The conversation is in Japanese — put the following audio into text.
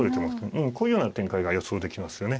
こういうような展開が予想できますよね。